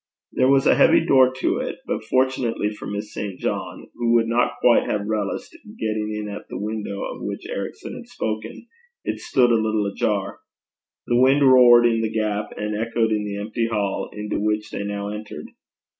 There was a heavy door to it, but fortunately for Miss St. John, who would not quite have relished getting in at the window of which Ericson had spoken, it stood a little ajar. The wind roared in the gap and echoed in the empty hall into which they now entered.